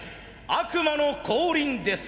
悪魔の降臨です。